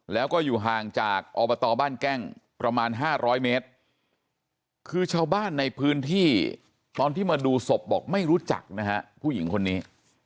แล้วก็อยู่ห่างจากอบตบ้านแก้งประมาณ๕๐๐เมตรคือชาวบ้านในพื้นที่ตอนที่มาดูศพบอกไม่รู้จักนะฮะผู้หญิงคนนี้